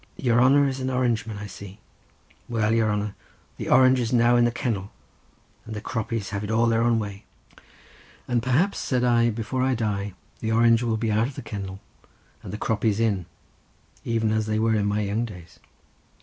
"Your hanner is an Orange man, I see. Well, your hanner, the Orange is now in the kennel, and the Croppies have it all their own way." "And perhaps," said I, "before I die, the Orange will be out of the kennel and the Croppies in, even as they were in my young days."